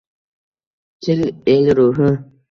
Til - el ruhi